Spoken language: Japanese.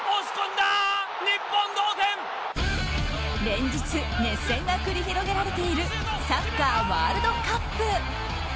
連日熱戦が繰り広げられているサッカーワールドカップ。